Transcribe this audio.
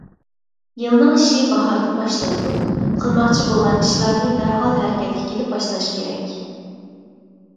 يىلنىڭ ئىشى باھاردىن باشلىنىدۇ، قىلماقچى بولغان ئىشلارنى دەرھال ھەرىكەتكە كېلىپ باشلاش كېرەك.